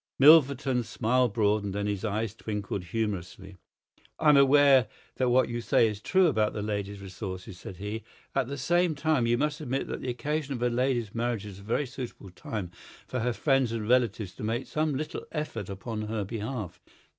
Milverton's smile broadened and his eyes twinkled humorously. "I am aware that what you say is true about the lady's resources," said he. "At the same time, you must admit that the occasion of a lady's marriage is a very suitable time for her friends and relatives to make some little effort upon her behalf.